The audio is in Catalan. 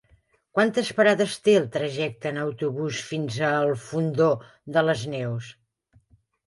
Quantes parades té el trajecte en autobús fins al Fondó de les Neus?